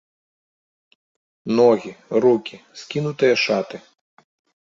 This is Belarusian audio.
Ногі, рукі, скінутыя шаты.